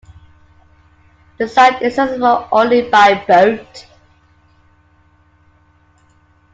The site is accessible only by boat.